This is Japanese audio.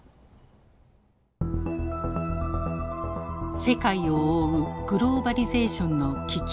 世界を覆うグローバリゼーションの危機。